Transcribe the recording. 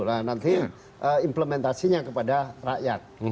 nah nanti implementasinya kepada rakyat